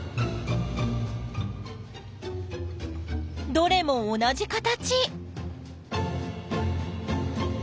どれも同じ形！